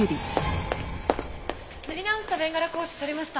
塗り直したベンガラ格子撮りました！